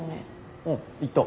うん言った。